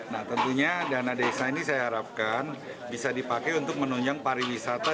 nah tentunya dana desa ini saya harapkan bisa dipakai untuk menunjang pariwisata